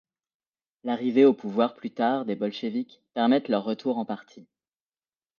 L'arrivée au pouvoir plus tard des Bolchéviques permettent leur retour en partie.